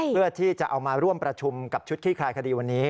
เพื่อที่จะเอามาร่วมประชุมกับชุดขี้คลายคดีวันนี้